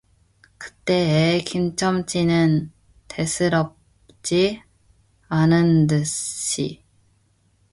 그때에 김첨지는 대수롭지 않은듯이